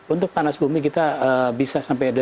untuk panas bumi kita bisa sampai di mana